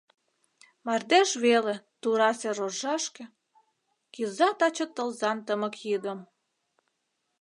Мардеж веле тура сер оржашке Кӱза таче тылзан тымык йӱдым…